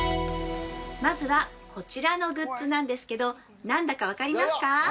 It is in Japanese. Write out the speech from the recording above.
◆まずは、こちらのグッズなんですけど何だか分かりますか？